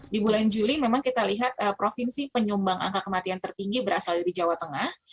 di bulan juli memang kita lihat provinsi penyumbang angka kematian tertinggi berasal dari jawa tengah